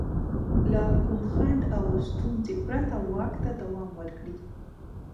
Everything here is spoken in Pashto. له کوم خنډ او ستونزې پرته واک ته دوام ورکړي.